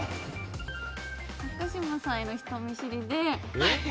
高嶋さんへの人見知りで。